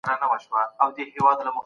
مشوره کول عقل زیاتوي.